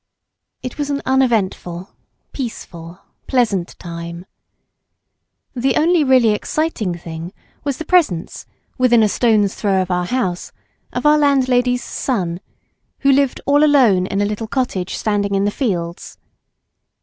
It was an uneventful, peaceful, pleasant time. The only really exciting thing was the presence, within a stone's throw of our house, of our landlady's son, who lived all alone in a little cottage standing in the fields.